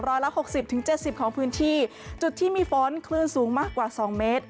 รอยละ๖๐๗๐ของพื้นที่จุดที่มีฝนคลื่นสูงมากกว่า๒เมตร